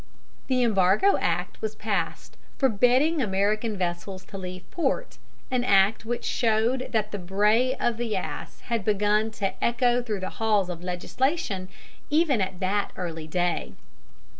An Embargo Act was passed forbidding American vessels to leave port, an act which showed that the bray of the ass had begun to echo through the halls of legislation even at that early day.